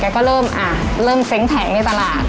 ก็เริ่มเซ้งแผงในตลาด